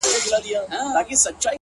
• خره یې وروڼه وه آسونه یې خپلوان وه,